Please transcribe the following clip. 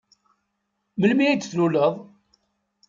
Melmi ay d-tluleḍ?